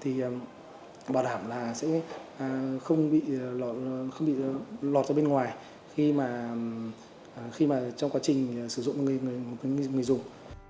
thì bảo đảm là sẽ không bị lọt ra bên ngoài khi mà trong quá trình sử dụng người dùng